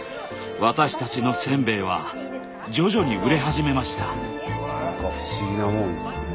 私たちのせんべいは徐々に売れ始めました。